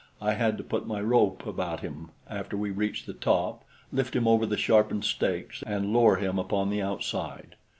I had to put my rope about him after we reached the top, lift him over the sharpened stakes and lower him upon the outside.